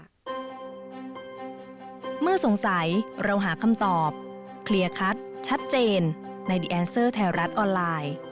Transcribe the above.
ก็ไม่อ่านฮาวหารมาสาบถ้อยคำวิจารณ์ได้ง่ายค่ะ